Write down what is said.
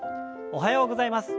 おはようございます。